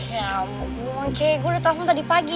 ya ampun kay gue udah telfon tadi pagi